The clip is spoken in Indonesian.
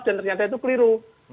dan ternyata itu keliru